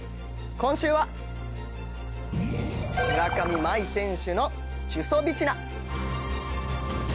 今週は村上茉愛選手のチュソビチナ。